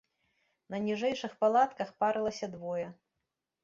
На ніжэйшых палатках парылася двое.